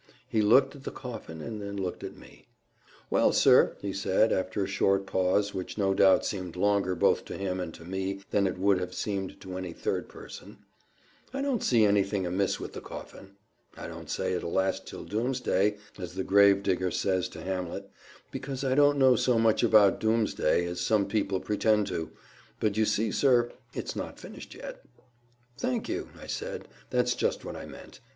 He looked at the coffin and then looked at me. "Well, sir," he said, after a short pause, which no doubt seemed longer both to him and to me than it would have seemed to any third person, "I don't see anything amiss with the coffin. I don't say it'll last till doomsday, as the gravedigger says to Hamlet, because I don't know so much about doomsday as some people pretend to; but you see, sir, it's not finished yet." "Thank you," I said; "that's just what I meant.